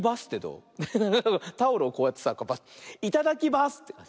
タオルをこうやってさ「いただきバス」ってかんじ。